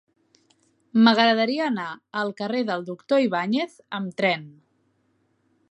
M'agradaria anar al carrer del Doctor Ibáñez amb tren.